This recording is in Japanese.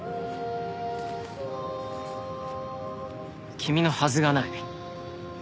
君のはずがない。